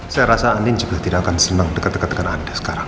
saya rasa andin juga tidak akan senang dekat dekat dengan anda sekarang